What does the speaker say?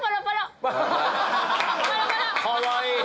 かわいい！